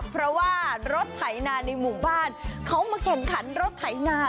เพราะว่ารถไถนาในหมู่บ้านเขามาแข่งขันรถไถนา